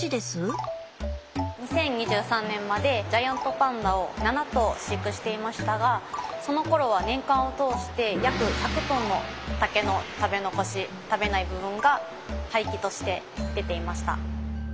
２０２３年までジャイアントパンダを７頭飼育していましたがそのころは年間を通して約１００トンの竹の食べ残し食べない部分が廃棄として出ていました。